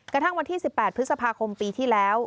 กระทั่งวันที่๑๘พฤษภาคมปีที่แล้ว